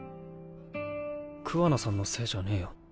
桑名さんのせいじゃねぇよ。